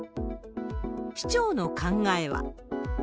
市長の考えは。